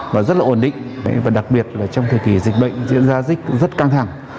và rất là ổn định và đặc biệt là trong thời kỳ dịch bệnh diễn ra dích cũng rất căng thẳng